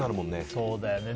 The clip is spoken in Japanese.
そうだよね。